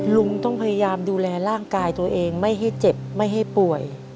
ลุงต้องพยายามดูแลร่างกายตัวเองไม่ให้เจ็บไม่ให้ป่วย